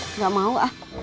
enggak mau ah